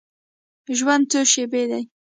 ژوند څو شیبې دی.